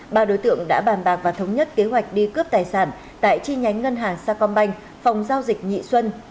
ba đối tượng đã bàn bạc và thống nhất kế hoạch đi cướp tài sản tại chi nhánh ngân hàng sacombank phòng giao dịch nhị xuân